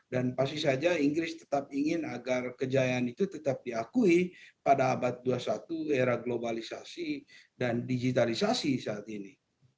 dan pasti saja inggris tetap ingin agar kejayaan itu tetap diakui pada abad dua puluh satu era globalisasi dan digitalisasi saat ini